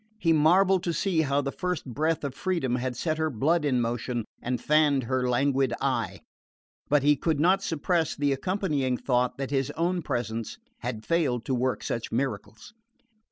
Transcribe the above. He marvelled to see how the first breath of freedom had set her blood in motion and fanned her languid eye; but he could not suppress the accompanying thought that his own presence had failed to work such miracles.